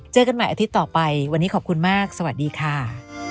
เจอกันใหม่อาทิตย์ต่อไปวันนี้ขอบคุณมากสวัสดีค่ะ